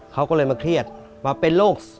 เขาก็เลยมาเครียดมาเป็นโรค